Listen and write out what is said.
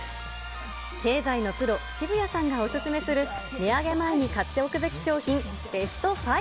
経済のプロ、渋谷さんがお勧めする値上げ前に買っておくべき商品、ベスト５。